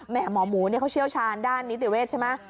หมอหมูเขาเชี่ยวชาญด้านนิติเวชใช่ไหม